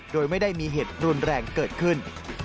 โดยไม่ได้มีเหตุรุนแรงเกิดขึ้น